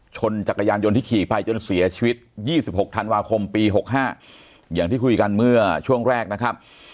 จักรยานยนต์ที่ขี่ไปจนเสียชีวิต๒๖ธันวาคมปี๖๕อย่างที่คุยกันเมื่อช่วงแรกนะครับ